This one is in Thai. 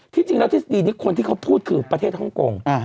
จริงแล้วทฤษฎีนี้คนที่เขาพูดคือประเทศฮ่องกง